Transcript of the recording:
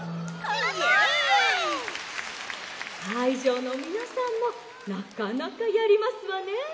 「かいじょうのみなさんもなかなかやりますわね！